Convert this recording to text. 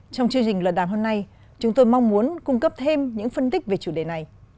trong chương trình luận đàm hôm nay chúng tôi mong muốn cung cấp thêm những phân tích về chủ đề này